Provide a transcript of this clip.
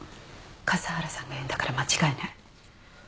笠原さんが言うんだから間違いない